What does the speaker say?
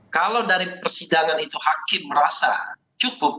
kalau dari persidangan itu hakim merasa cukup